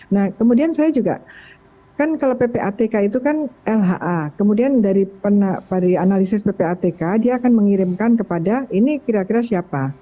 nah kemudian saya juga kan kalau ppatk itu kan lha kemudian dari analisis ppatk dia akan mengirimkan kepada ini kira kira siapa